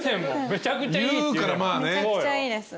めちゃくちゃいいです。